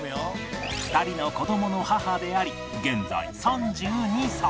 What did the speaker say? ２人の子どもの母であり現在３２歳